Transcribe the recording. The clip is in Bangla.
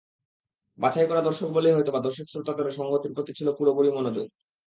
বাছাই করা দর্শক বলেই হয়তোবা দর্শক শ্রোতাদেরও সংগতের প্রতি ছিল পুরোপুরি মনোযোগ।